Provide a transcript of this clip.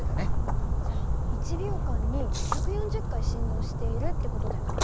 じゃあ１秒間に１４０回振動しているって事だよね。